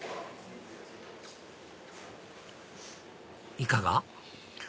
いかが？